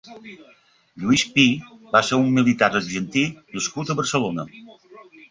Luis Py va ser un militar argentí nascut a Barcelona.